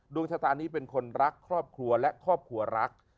ดวงชะตานี้เป็นคนรักครอบครัวและครอบครัวรัก